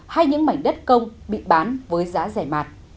hay những mảnh đất công bị bán với giá rẻ mạt